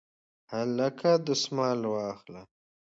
هلکه دستمال واخله